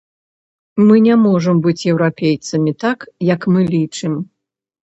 Мы не можам быць еўрапейцамі так, як мы лічым.